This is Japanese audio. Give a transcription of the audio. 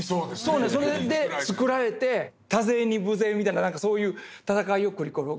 そうそれで造られて多勢に無勢みたいなそういう戦いを繰り広げる。